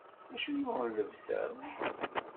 Acu yuɣen llebsa-w?